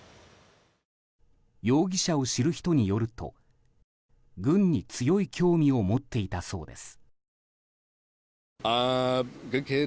容疑者を知る人によると軍に強い興味を持っていたそうです。